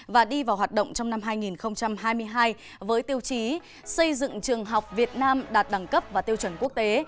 và đi vào hoạt động trong năm hai nghìn hai mươi hai với tiêu chí xây dựng trường học việt nam đạt đẳng cấp và tiêu chuẩn quốc tế